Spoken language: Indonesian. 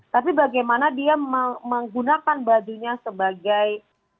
tapi bagaimana dia menggunakan bajunya sebagai